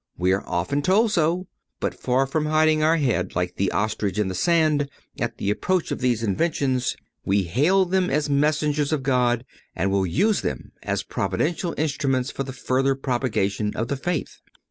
We are often told so; but far from hiding our head, like the ostrich in the sand, at the approach of these inventions we hail them as messengers of God, and will use them as Providential instruments for the further propagation of the faith.